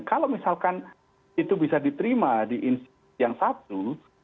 kalau misalkan itu bisa diterima di institusi yang satu